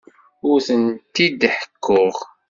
Ur tent-id-ḥekkuɣ.